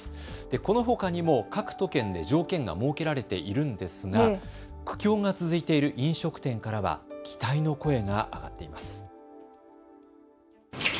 このほかにも各都県で条件が設けられているんですが苦境が続いている飲食店からは期待の声が上がっています。